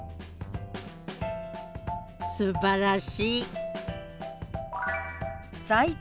すばらしい！